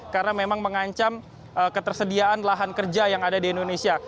karena memang mengancam ketersediaan lahan kerja yang ada di indonesia